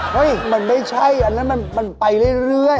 มันไม่ใช่อันนั้นมันไปเรื่อย